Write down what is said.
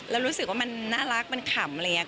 แล้วรู้สึกว่ามันน่ารักมันขำอะไรอย่างนี้